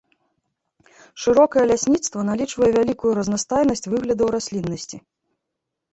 Шырокае лясніцтва налічвае вялікую разнастайнасць выглядаў расліннасці.